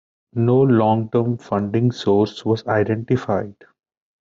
No long-term funding source was identified.